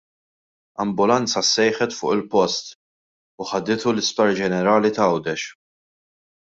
Ambulanza ssejħet fuq il-post u ħaditu l-Isptar Ġenerali t'Għawdex.